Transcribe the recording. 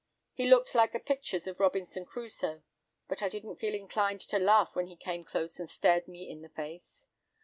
He looked like the pictures of Robinson Crusoe, but I didn't feel inclined to laugh when he came close up and stared me in the face.